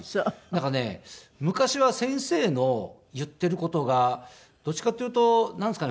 なんかね昔は先生の言っている事がどっちかっていうとなんですかね。